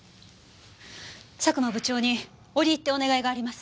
佐久間部長に折り入ってお願いがあります。